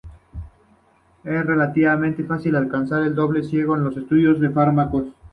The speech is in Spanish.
Es relativamente fácil de alcanzar el doble ciego en estudios con fármacos.